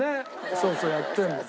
そうそうやってるのよ。